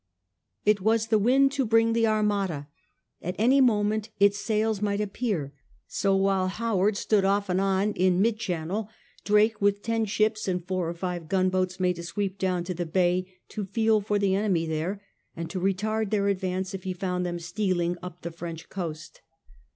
It was the wind to bring the Armada; at any moment its sails might appear ; so while Howard stood off and on in mid channel, Drake, with ten ships and four or five gunboats, made a sweep down to the Bay to feel for the enemy there, and to retard their advance if he found them steal ing up the French coast.